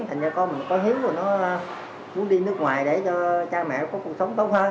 thành cho con mình có hiếu và nó hướng đi nước ngoài để cho cha mẹ có cuộc sống tốt hơn